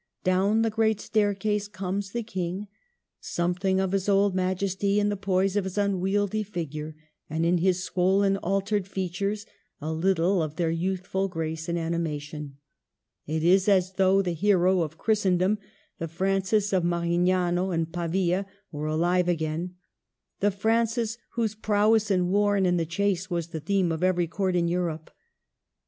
down the great staircase comes the King, something of his old majesty in the poise of his unwieldy figure, and in his swollen, altered features a little of their youthful grace and animation. It is as though the hero of Christendom, the Francis of Marignano and Pavia, were alive again, — the Francis whose prowess in war and in the chase was the theme of every Court in Europe.